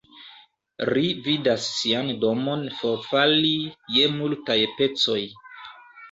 Ri vidas sian domon forfali je multaj pecoj.